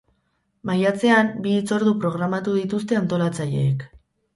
Maiatzean, bi hitzordu programatu dituzte antolatzaileek.